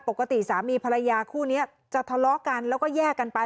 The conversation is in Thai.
ปกติสามีภรรยาคู่นี้จะทะเลาะกันแล้วก็แยกกันไป